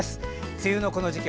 梅雨のこの時期